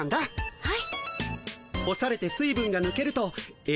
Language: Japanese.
はい。